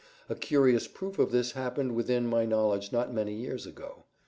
A curious proof of this happened within my knowledge not many years ago.